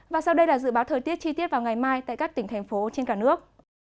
và sau đây là dự báo thời tiết chi tiết vào ngày mai tại các tỉnh thành phố trên cả nước